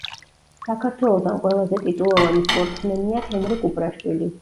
საქართველოდან ყველაზე ტიტულოვანი სპორტსმენია ჰენრი კუპრაშვილი.